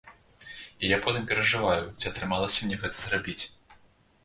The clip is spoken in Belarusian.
І я потым перажываю, ці атрымалася мне гэта зрабіць.